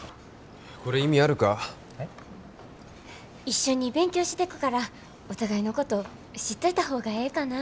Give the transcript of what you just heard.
一緒に勉強してくからお互いのこと知っといた方がええかなって。